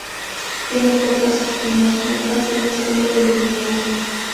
Tiene pocas espinas, muy fáciles de eliminar.